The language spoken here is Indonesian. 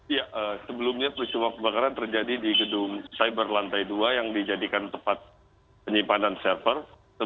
ya sebelumnya peristiwa kebakaran terjadi di gedung cyber lantai dua yang dijadikan tempat penyimpanan server